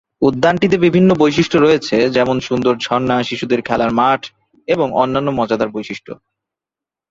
উদ্যানটিতে বিভিন্ন বৈশিষ্ট্য রয়েছে যেমন সুন্দর ঝর্ণা, শিশুদের খেলার মাঠ এবং অন্যান্য মজাদার বৈশিষ্ট্য।